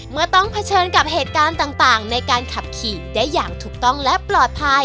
เมื่อต้องเผชิญกับเหตุการณ์ต่างในการขับขี่ได้อย่างถูกต้องและปลอดภัย